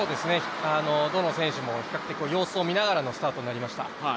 どの選手も比較的様子を見ながらのスタートになりました。